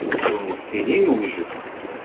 Ur nettili newjed.